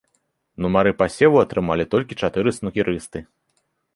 Нумары пасеву атрымалі толькі чатыры снукерысты.